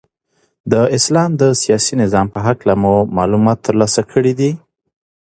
د اسلام د سیاسی نظام په هکله مو معلومات ترلاسه کړی دی.